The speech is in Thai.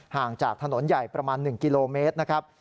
ห่างจากถนนใหญ่ประมาณ๑กิโลเมตรนะครับ